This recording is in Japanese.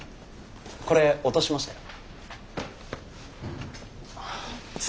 これ落としましたよ。